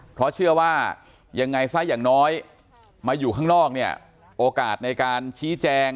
เพราะเชื่อว่ายังไงซะอย่างน้อยมาอยู่ข้างนอกเนี่ยโอกาสในการชี้แจง